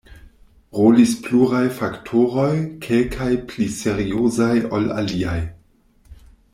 Rolis pluraj faktoroj, kelkaj pli seriozaj ol aliaj.